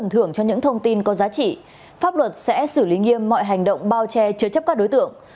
thưởng cho những thông tin có giá trị pháp luật sẽ xử lý nghiêm mọi hành động bao che chứa chấp các đối tượng